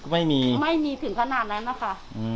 ไม่มีถึงขนาดนั้นนะคะ